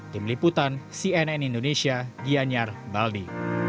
tim liputan cnn indonesia gianyar bali